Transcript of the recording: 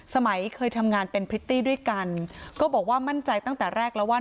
เคยทำงานเป็นพริตตี้ด้วยกันก็บอกว่ามั่นใจตั้งแต่แรกแล้วว่า